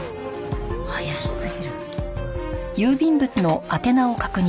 怪しすぎる。